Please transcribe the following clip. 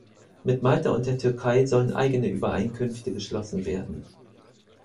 Mit Malta und der Türkei sollen eigene Übereinkünfte geschlossen werden.